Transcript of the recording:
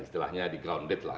istilahnya di ground date lah